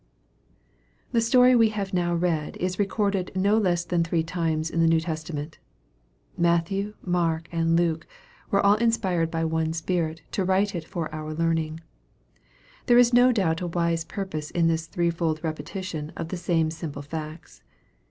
THE story we have now read is recorded no less than three times in the New Testament. Matthew, Mark, and Luke were all inspired by one Spirit to write it for our learning. There is no doubt a wise purpose in this three fold repetition of the same simple facts.